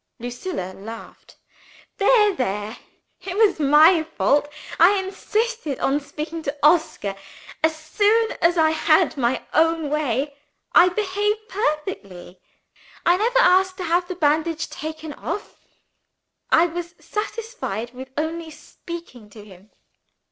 Lucilla laughed. "There! there! It was my fault; I insisted on speaking to Oscar. As soon as I had my own way, I behaved perfectly. I never asked to have the bandage taken off; I was satisfied with only speaking to him.